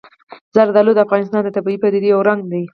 زردالو د افغانستان د طبیعي پدیدو یو رنګ دی.